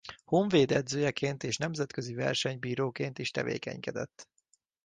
Honvéd edzőjeként és nemzetközi versenybíróként is tevékenykedett.